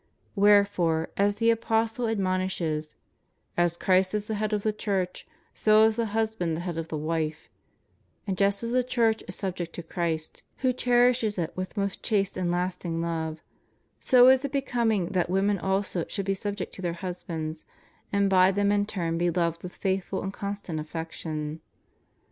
Wherefore, as the Apostle ad monishes: As Christ is the head of the Church, so is the husband the head of the vrife;^ and just as the Church is subject to Christ, who cherishes it with most chaste and lasting love, so is it becoming that women also should be subject to their husbands, and by them in turn be loved with faithful and constant affection.